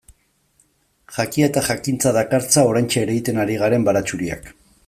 Jakia eta jakintza dakartza oraintxe ereiten ari garen baratxuriak.